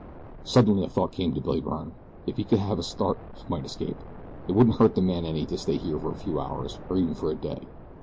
Suddenly a thought came to Billy Byrne. If he could have a start he might escape. It wouldn't hurt the man any to stay here for a few hours, or even for a day.